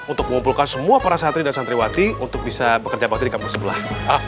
untuk mengumpulkan semua para santri dan santriwati untuk bisa bekerja bakti di kampung sebelah